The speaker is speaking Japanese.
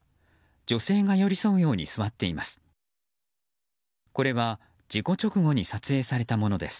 女性が寄り添うように座っています。